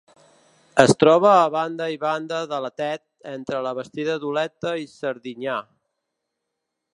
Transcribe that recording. Es troba a banda i banda de la Tet, entre la Bastida d'Oleta i Serdinyà.